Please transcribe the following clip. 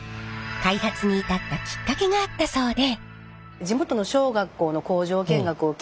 開発に至ったきっかけがあったそうで。